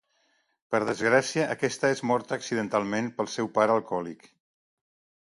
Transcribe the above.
Per desgràcia, aquesta és morta accidentalment pel seu pare alcohòlic.